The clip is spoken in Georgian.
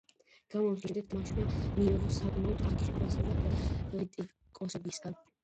გამოსვლის შემდეგ თამაშმა მიიღო საკმაოდ კარგი შეფასება კრიტიკოსებისგან.